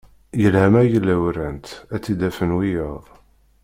Yelha ma yella uran-tt ad tt-id-afen wiyaḍ.